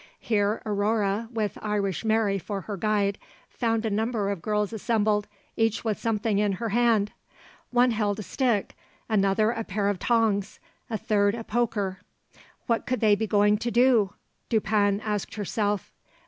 Here Aurore, with Irish Mary for her guide, found a number of girls assembled, each with something in her hand. One held a stick, another a pair of tongs, a third a poker. What could they be going to do? 'Dupin' asked herself.